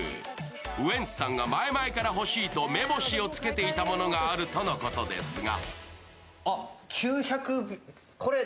ウエンツさんが前々から欲しいと目星をつけていたものがあるそうですが。